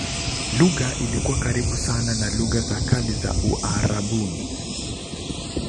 Lugha ilikuwa karibu sana na lugha za kale za Uarabuni.